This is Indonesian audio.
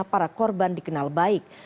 para korban dikenal baik